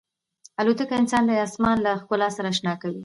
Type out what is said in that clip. الوتکه انسان د آسمان له ښکلا سره اشنا کوي.